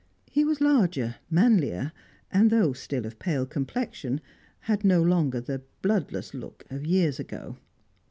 He was larger, manlier, and though still of pale complexion had no longer the bloodless look of years ago.